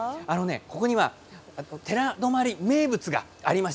ここには寺泊名物があります。